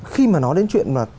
khi mà nói đến chuyện